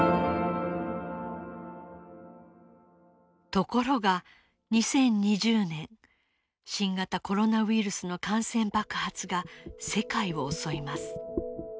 ところが２０２０年新型コロナウイルスの感染爆発が世界を襲います。